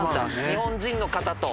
日本人の方と。